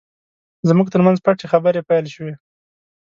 زموږ ترمنځ پټې خبرې پیل شوې.